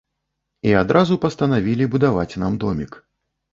І адразу пастанавілі будаваць нам домік.